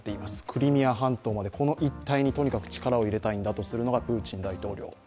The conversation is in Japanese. クリミア半島まで、この一帯にとにかく力を入れたいんだとするのがプーチン大統領。